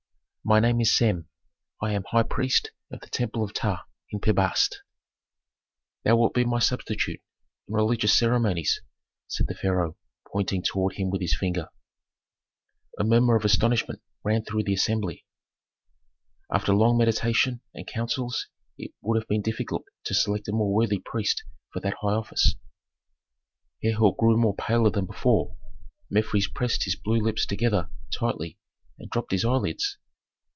"My name is Sem; I am high priest of the temple of Ptah in Pi Bast." "Thou wilt be my substitute in religious ceremonies," said the pharaoh, pointing toward him with his finger. A murmur of astonishment ran through the assembly. After long meditation and counsels it would have been difficult to select a more worthy priest for that high office. Herhor grew much paler than before; Mefres pressed his blue lips together tightly and dropped his eyelids.